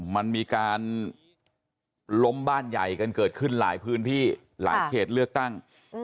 มันมีการล้มบ้านใหญ่กันเกิดขึ้นหลายพื้นที่หลายเขตเลือกตั้ง